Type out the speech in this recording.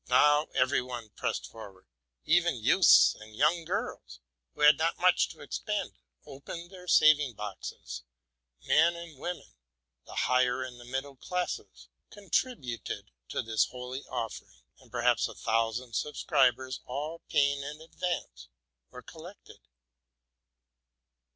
Now every one pressed forward : even youths and young girls, who had not much to expend, opened their saving boxes ; men and women, the higher and the middle classes, contributed to this holy offering; and perhaps a thousand subscribers, all paying in advance, were collected.